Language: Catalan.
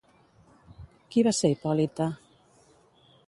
Qui va ser Hipòlita?